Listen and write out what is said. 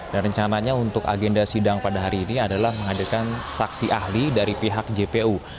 dan rencananya untuk agenda sidang pada hari ini adalah menghadirkan saksi ahli dari pihak jpu